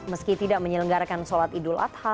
meski tidak menyelenggarakan sholat idul adha